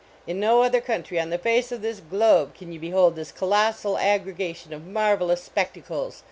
In no other country on the face of this globe can you be hold this collossal aggregation of marvelous spectacles